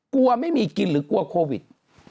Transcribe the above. กลัวไม่มีกินหรือกลัวโควิด